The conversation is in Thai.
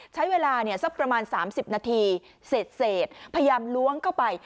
ใช้เวลาสักประมาณ๓๐นาทีเสร็จพยายามล้วงเข้าไป